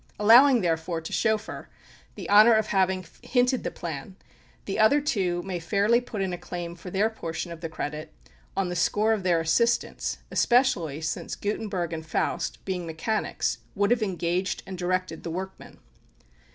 Allowing, therefore, to Schoeffer the honor of having hinted the plan, the other two may fairly put in a claim for their portion of the credit on the score of their assistance, especially since Gutenberg and Faust, being mechanics, would have engaged and directed the workmen."